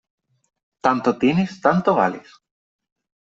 Tanto tienes, tanto vales.